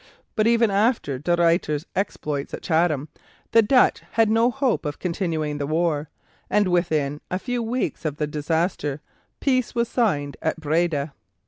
But even after De Ruyter's exploits at Chatham the Dutch had no hope of continuing the war, and within a few weeks of the disaster peace was signed at Breda.